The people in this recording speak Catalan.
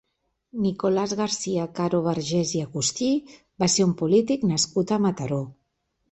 Nicolás Garcia Caro Vergés i Agustí va ser un polític nascut a Mataró.